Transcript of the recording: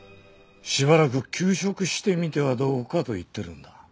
しばらく休職してみてはどうかと言ってるんだ。